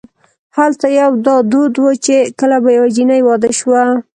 هلته یو دا دود و چې کله به یوه جنۍ واده شوه.